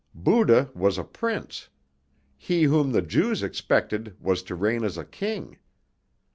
Buddha was a prince; he whom the Jews expected was to reign as a king.